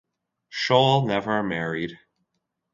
Scholl never married.